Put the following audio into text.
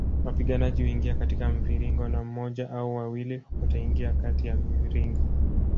Wapiganaji huingia katika mviringo na moja au wawili wataingia kati ya mviringo